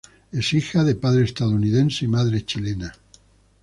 Es hija de padre estadounidense y madre chilena.